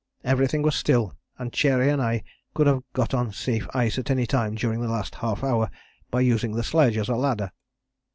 Everything was still, and Cherry and I could have got on safe ice at any time during the last half hour by using the sledge as a ladder.